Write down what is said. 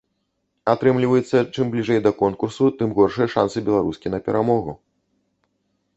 Атрымліваецца, чым бліжэй да конкурсу, тым горшыя шансы беларускі на перамогу.